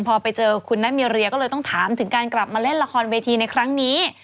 พอไปเจอคุณนัทมีเรียก็เลยต้องถามถึงการกลับมาเล่นละครเวทีในครั้งนี้